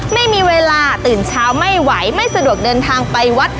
ไม่มีเวลาตื่นเช้าไม่ไหวไม่สะดวกเดินทางไปวัด